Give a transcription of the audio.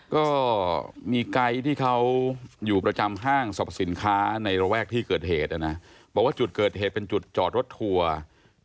ก็มีไกด์ที่เขาอยู่ประจำห้างสรรพสินค้าในระแวกที่เกิดเหตุนะนะบอกว่าจุดเกิดเหตุเป็นจุดจอดรถทัวร์